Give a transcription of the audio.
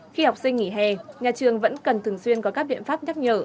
khi học sinh nghỉ hè nhà trường vẫn cần thường xuyên có các biện pháp nhắc nhở